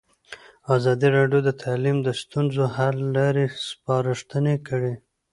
ازادي راډیو د تعلیم د ستونزو حل لارې سپارښتنې کړي.